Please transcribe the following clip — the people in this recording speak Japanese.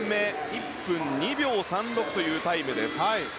１分２秒３６というタイムです。